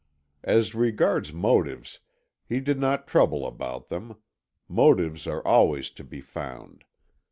As regards motives, he did not trouble about them; motives are always to be found.